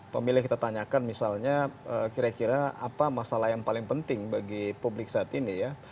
pemilih kita tanyakan misalnya kira kira apa masalah yang paling penting bagi publik saat ini ya